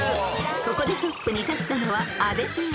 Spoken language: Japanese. ［ここでトップに立ったのは阿部ペア］